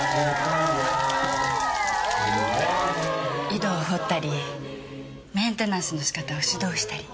井戸を掘ったりメンテナンスの仕方を指導したり。